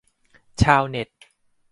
ชาวเน็ต